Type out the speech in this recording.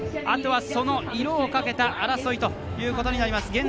あとはその色をかけた争いということになります。